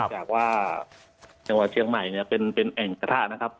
หลังจากว่าเชียงใหม่เป็นแอ่งกระทะนะครับ